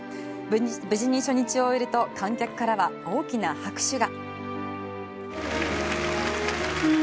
無事に初日を終えると観客からは大きな拍手が。